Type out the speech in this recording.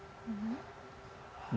misalnya malaysia singapura dan china